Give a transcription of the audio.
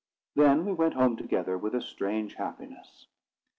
Then we went home together with a strange happiness.